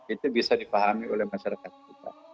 itu bisa dipahami oleh masyarakat kita